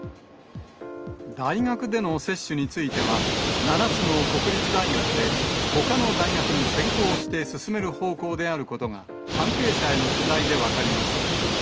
大学での接種については、７つの国立大学で、ほかの大学に先行して進める方向であることが、関係者への取材で分かりました。